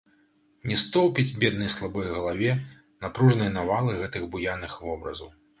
Не стоўпіць беднай слабой галаве напружнай навалы гэтых буяных вобразаў.